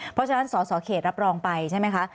เพราะฉะนั้นสสเขตรับรองไปใช่ไหมคะ